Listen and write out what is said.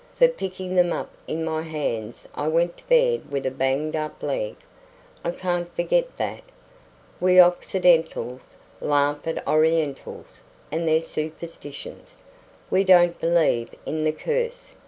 For picking them up in my hands I went to bed with a banged up leg. I can't forget that. We Occidentals laugh at Orientals and their superstitions. We don't believe in the curse.